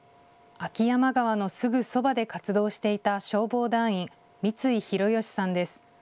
秋山川のすぐそばで活動していた消防団員、三井広好さんです。